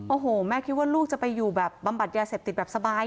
โอ้โหแม่คิดว่าลูกจะไปอยู่แบบบำบัดยาเสพติดแบบสบาย